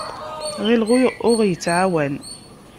Ɣileɣ ur aɣ-yettɛawan.